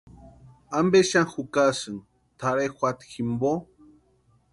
¿Ampe xani jukasïni tʼarhe juata jimpo?